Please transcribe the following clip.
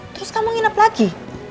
terus kamu nginep lagi